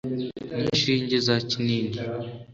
N'inshinge za kinini.